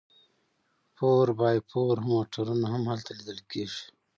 فور بای فور موټرونه هم هلته لیدل کیږي